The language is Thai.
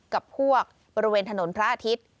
กับพวกบริเวณถนนพระอาทิตย์